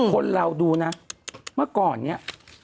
คนเราดูนะเมื่อก่อนเนี่ย